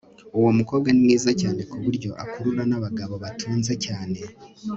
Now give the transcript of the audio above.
uwo mukobwa ni mwiza cyane kuburyo akurura nabagabo batunze cyane